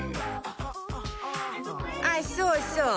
あっそうそう